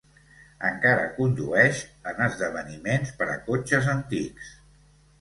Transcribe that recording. Encara condueix en esdeveniments per a cotxes antics.